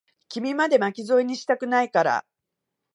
君まで、巻き添えにしたくないから。